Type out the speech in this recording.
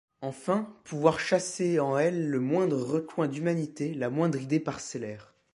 Enfin pouvoir chasser en elle le moindre recoin d’humanité, la moindre idée parcellaire.